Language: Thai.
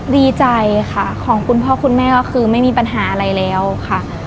ดีใจค่ะของคุณพ่อคุณแม่ก็คือไม่มีปัญหาอะไรแล้วค่ะ